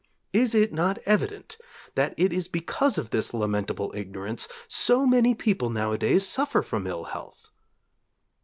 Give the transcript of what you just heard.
Is it not evident that it is because of this lamentable ignorance so many people nowadays suffer from ill health?